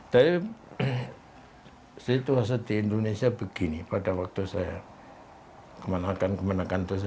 tapi saya tahu di indonesia begini pada waktu saya kemanakan kemanakan itu